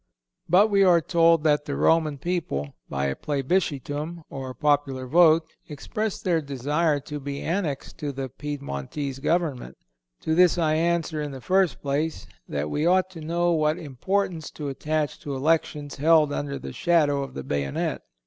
(187) But we are told that the Roman people, by a plebiscitum, or popular vote, expressed their desire to be annexed to the Piedmontese Government. To this I answer, in the first place, that we ought to know what importance to attach to elections held under the shadow of the bayonet.